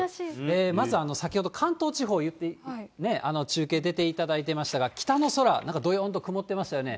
まず先ほど、関東地方、中継出ていただいてましたが、北の空、なんかどよんと曇ってましたよね。